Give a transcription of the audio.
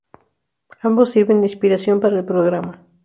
Ambos sirven de inspiración para el programa.